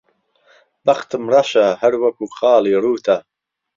بهختم رهشه ههر وهکوو خاڵی رووته